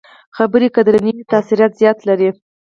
خبرې که درنې وي، تاثیر زیات لري